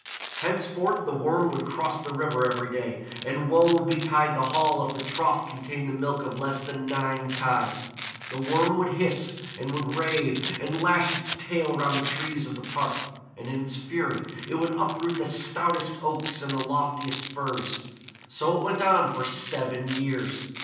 Henceforth the Worm would cross the river every day, and woe betide the Hall if the trough contained the milk of less than nine kye. The Worm would hiss, and would rave, and lash its tail round the trees of the park, and in its fury it would uproot the stoutest oaks and the loftiest firs. So it went on for seven years.